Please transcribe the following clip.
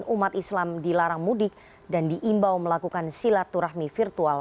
umat islam dilarang mudik dan diimbau melakukan silaturahmi virtual